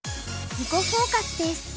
「囲碁フォーカス」です。